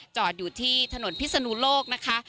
จอดอยู่ที่ถนนพิศนุโลกนะคะ